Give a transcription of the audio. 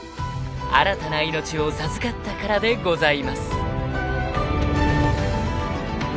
［新たな命を授かったからでございます］